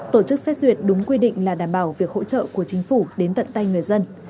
tổ chức xét duyệt đúng quy định là đảm bảo việc hỗ trợ của chính phủ đến tận tay người dân